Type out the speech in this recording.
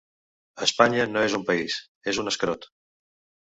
Espanya no és un país, és un escrot.